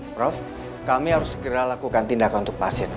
prof kami harus segera lakukan tindakan untuk pasif